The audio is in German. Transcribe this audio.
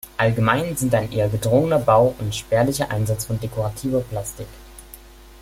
Allgemein sind ein eher gedrungener Bau und spärlicher Einsatz dekorativer Plastik.